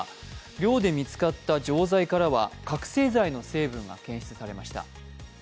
寮で見つかった錠剤からは覚醒剤の成分が検出されました。